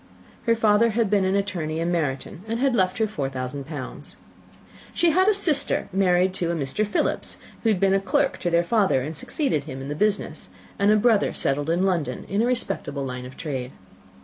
Her father had been an attorney in Meryton, and had left her four thousand pounds. She had a sister married to a Mr. Philips, who had been a clerk to their father and succeeded him in the business, and a brother settled in London in a respectable line of trade.